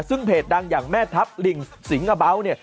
ซึ่งเพจดังอย่างแม่ทัพลิงสิงอเบาเนี่ย